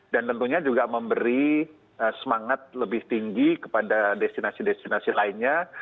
dan tentunya juga memberi semangat lebih tinggi kepada destinasi destinasi lainnya